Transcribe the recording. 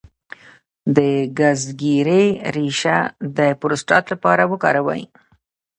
د ګزګیرې ریښه د پروستات لپاره وکاروئ